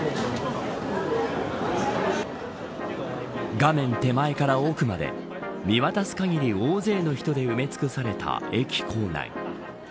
画面手前から奥まで見渡す限り、大勢の人で埋め尽くされた駅構内。